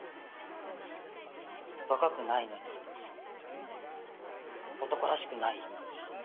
「若くないのに」とか「男らしくない」とか。